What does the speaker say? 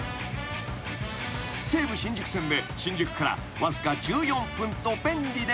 ［西武新宿線で新宿からわずか１４分と便利で］